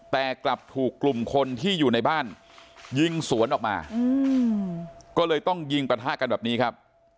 แต่กลับถูกกลุ่มคนที่อยู่ในบ้านยิงสวนออกมาก็เลยต้องยิงปะทะกันแบบนี้ครับ